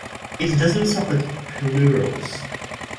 it doesn't support plurals